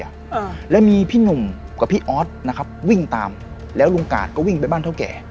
อ่าแล้วมีพี่หนุ่มกับพี่ออสนะครับวิ่งตามแล้วลุงกาดก็วิ่งไปบ้านเท่าแก่